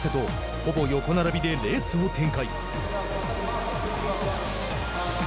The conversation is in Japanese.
ほぼ横並びでレースを展開。